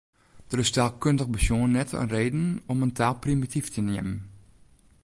Der is taalkundich besjoen net in reden om in taal primityf te neamen.